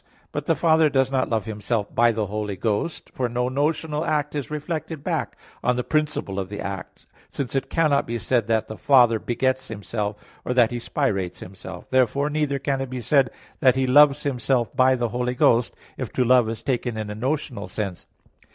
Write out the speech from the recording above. But the Father does not love Himself by the Holy Ghost; for no notional act is reflected back on the principle of the act; since it cannot be said that the "Father begets Himself," or that "He spirates Himself." Therefore, neither can it be said that "He loves Himself by the Holy Ghost," if "to love" is taken in a notional sense.